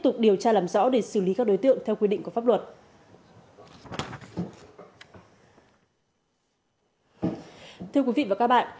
tục điều tra làm rõ để xử lý các đối tượng theo quy định của pháp luật thưa quý vị và các bạn